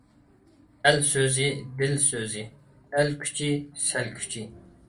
ئەل سۆزى — دىل سۆزى. ئەل كۈچى — سەل كۈچى.